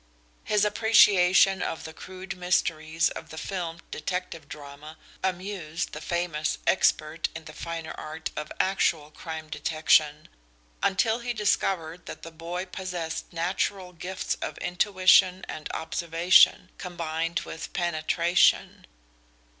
His appreciation of the crude mysteries of the filmed detective drama amused the famous expert in the finer art of actual crime detection, until he discovered that the boy possessed natural gifts of intuition and observation, combined with penetration.